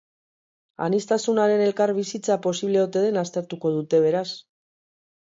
Aniztasunaren elkarbizitza posible ote den aztertuko dute, beraz.